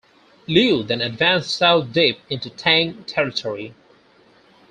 Liu then advanced south deep into Tang territory.